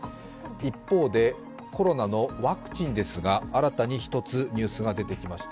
一方で、コロナのワクチンですが、新たに一つニュースが出てきました。